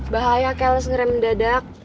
bahaya kayak lo sengerem mendadak